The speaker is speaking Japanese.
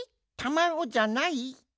たまごじゃない？